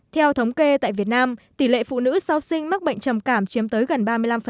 theo thống kê tại việt nam tỷ lệ phụ nữ sau sinh mắc bệnh trầm cảm chiếm tới gần ba mươi năm